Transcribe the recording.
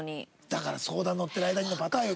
だから相談にのってる間にのパターンよ。